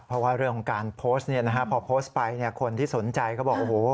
เพราะว่าเรื่องการโพสต์พอโพสต์ไปคนที่สนใจก็บอก